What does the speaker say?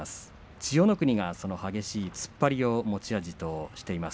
千代の国は激しい突っ張りを持ち味としています。